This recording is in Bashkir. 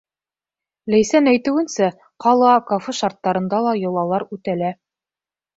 Ләйсән әйтеүенсә, ҡала, кафе шарттарында ла йолалар үтәлә.